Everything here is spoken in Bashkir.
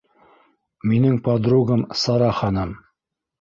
Минең подругам - Сара ханым.